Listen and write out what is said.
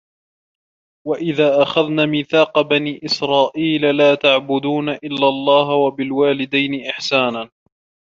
وَإِذْ أَخَذْنَا مِيثَاقَ بَنِي إِسْرَائِيلَ لَا تَعْبُدُونَ إِلَّا اللَّهَ وَبِالْوَالِدَيْنِ إِحْسَانًا